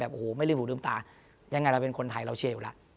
โอ้โหไม่ลืมหูลืมตายังไงเราเป็นคนไทยเราเชียร์อยู่แล้ว